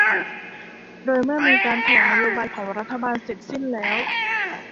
โดยเมื่อการแถลงนโยบายของรัฐบาลเสร็จสิ้นแล้ว